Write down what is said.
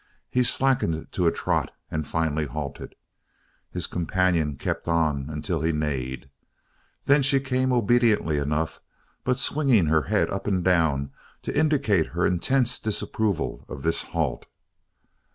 He slackened to a trot and finally halted. His companion kept on until he neighed. Then she came obediently enough but swinging her head up and down to indicate her intense disapproval of this halt.